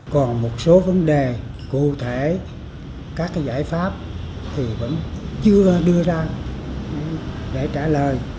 còn một số vấn đề cụ thể các giải pháp thì vẫn chưa đưa ra để trả lời